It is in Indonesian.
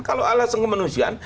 kalau alasan kemanusiaan